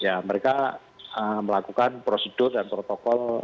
ya mereka melakukan prosedur dan protokol